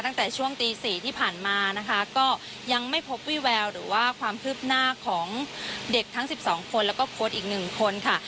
ตั้งแต่ช่วงตี๔ที่ผ่านมานะคะก็ยังไม่พบวี่แววหรือว่าความคืบหน้าของเด็กทั้ง๑๒คนแล้วก็โค้ดอีก๑คนค่ะ